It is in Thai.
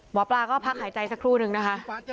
หมอปลาก็พักหายใจสักครู่นึงนะคะ